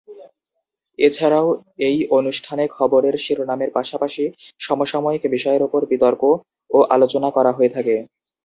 এছাড়াও এই অনুষ্ঠানে খবরের শিরোনামের পাশাপাশি সমসাময়িক বিষয়ের ওপর বিতর্ক ও আলোচনা করা হয়ে থাকে।